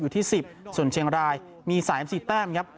อยู่ที่สิบส่วนเชียงรายมีสายเอ็มสี่แต้มนะครับ